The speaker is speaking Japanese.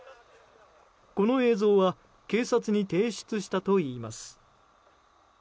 この映像は警察に提出したといいます。